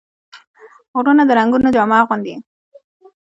غرونه د رنګونو جامه اغوندي